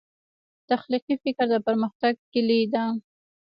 تخلیقي فکر د پرمختګ کلي دی.